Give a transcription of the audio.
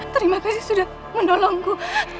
terima kasih sudah menolongku